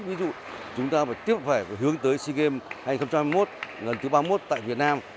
ví dụ chúng ta phải tiếp phải hướng tới sea games hai nghìn hai mươi một lần thứ ba mươi một tại việt nam